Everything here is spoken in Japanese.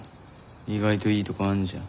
意外といいとこあんじゃん。